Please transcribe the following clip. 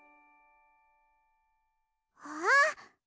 あっ！